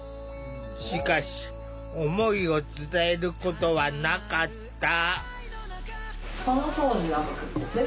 しかし思いを伝えることはなかった。